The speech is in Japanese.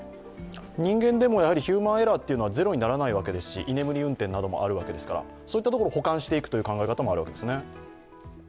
人間でもヒューマンエラーはゼロにならないわけですし、居眠り運転などもあるわけですからそういったところを補完していく意味もあるわけですね。